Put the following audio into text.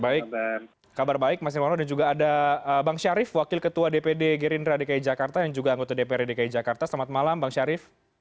baik kabar baik mas nirwono dan juga ada bang syarif wakil ketua dpd gerindra dki jakarta yang juga anggota dprd dki jakarta selamat malam bang syarif